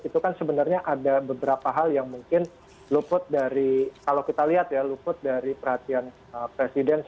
itu kan sebenarnya ada beberapa hal yang mungkin luput dari kalau kita lihat ya luput dari perhatian presiden